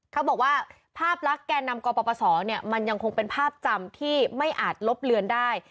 เขาบอกว่าภาพลักษณ์แก่นำกปศมันยังคงเป็นภาพจำที่ไม่อาจลบเลือนได้